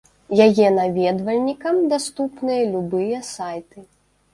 Яе наведвальнікам даступныя любыя сайты.